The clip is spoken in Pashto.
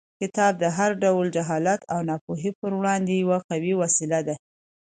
کتاب د هر ډول جهالت او ناپوهۍ پر وړاندې یوه قوي وسله ده.